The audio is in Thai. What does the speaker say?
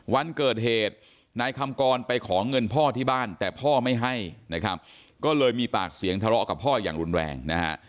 วันเกิดเหตุนายคำกรไปขอเงินพ่อที่บ้านแต่พ่อไม่ให้นะครับก็เลยมีปากเสียงทะเลาะกับพ่ออย่างรุนแรงนะฮะ